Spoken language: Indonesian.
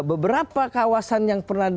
beberapa kawasan yang pernah